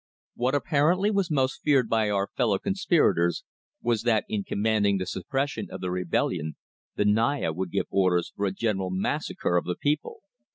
What apparently was most feared by our fellow conspirators was that in commanding the suppression of the rebellion the Naya would give orders for a general massacre of the people.